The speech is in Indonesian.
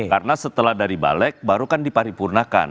karena setelah dari balik baru kan diparipurnakan